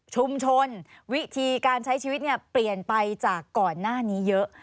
ชุมชนวิธีการใช้ชีวิตเนี่ยเปลี่ยนไปจากก่อนหน้านี้เยอะ